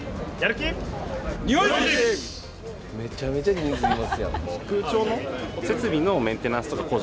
めちゃめちゃ人数いますやん。